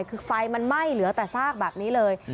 คือไฟมันไหม้เหลือแต่ซากแบบนี้เลย